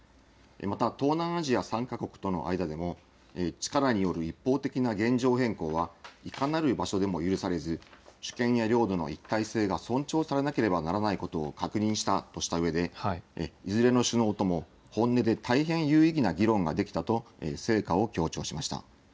また東南アジア３か国との間でも、力による一方的な現状変更は、いかなる場所でも許されず、主権や領土の一体性が尊重されなければならないことを確認したとしたうえで、いずれの首脳とも本音で大変有意義な議論ができたと成果を強調しました。